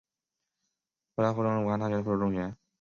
武大附中是武汉大学的附属学校。